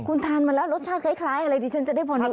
คุณทานมันแล้วรสชาติคล้ายอะไรที่จะได้ผ่อนดูออก